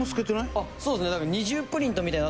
あっそうですね。